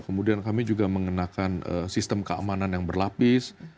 kemudian kami juga mengenakan sistem keamanan yang berlapis